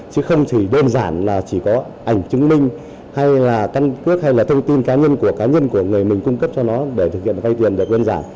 chứ không chỉ đơn giản là chỉ có ảnh chứng minh hay là căn cước hay là thông tin cá nhân của cá nhân của người mình cung cấp cho nó để thực hiện vay tiền được quyền đơn giản